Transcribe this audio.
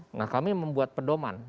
nah kami membuat pedoman